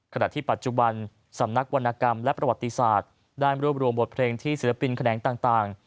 ขณะที่ปัจจุบันสำนักวรรณกรรมและประวัติศาสตร์ได้รวบรวมบทเพลงที่ศิลปินแขนงต่าง